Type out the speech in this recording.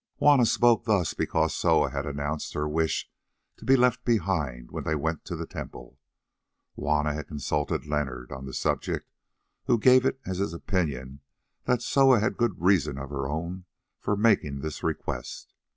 Juanna spoke thus because Soa had announced her wish to be left behind when they went to the temple. Juanna had consulted Leonard on the subject, who gave it as his opinion that Soa had good reasons of her own for making this request.